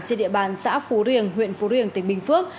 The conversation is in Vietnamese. trên địa bàn xã phú riềng huyện phú riềng tỉnh bình phước